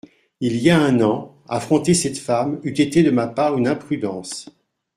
Il y a un an, affronter cette femme eût été de ma part une imprudence.